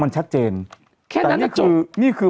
มันชัดเจนแต่นี่คือ